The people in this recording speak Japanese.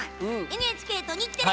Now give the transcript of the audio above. ＮＨＫと日テレ